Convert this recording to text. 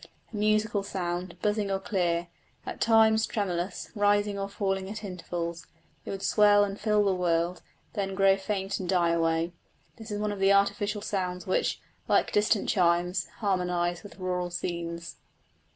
A musical sound, buzzing or clear, at times tremulous, rising or falling at intervals, it would swell and fill the world, then grow faint and die away. This is one of the artificial sounds which, like distant chimes, harmonise with rural scenes.